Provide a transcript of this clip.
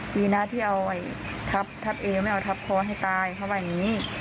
ดีนะที่เอาไอ้ทัพทัพเอไม่เอาทัพโค้งให้ตายเพราะว่าอย่างนี้